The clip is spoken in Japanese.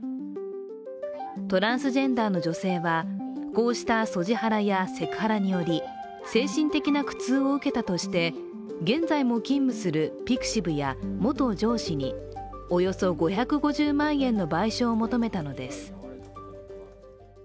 トランスジェンダーの女性は、こうしたＳＯＧＩハラやセクハラにより精神的な苦痛を受けたとして現在も勤務するｐｉｘｉｖや元上司におよそ５５０万円の賠償を求めたのです。